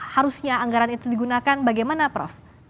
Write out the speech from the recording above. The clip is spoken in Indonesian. harusnya anggaran itu digunakan bagaimana prof